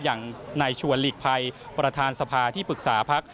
อย่างนายชวนหลีกภัยประธานสภาที่ปรึกษาพัก